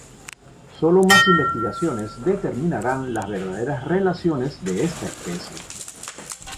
Solo más investigaciones determinarán las verdaderas relaciones de esta especie.